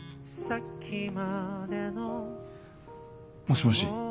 もしもし。